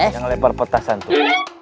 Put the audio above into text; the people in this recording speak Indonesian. yang melebar petasan tuh